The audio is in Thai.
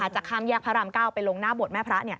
จากข้ามแยกพระรามเก้าไปลงหน้าบทแม่พระ